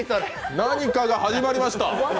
何かが始まりました。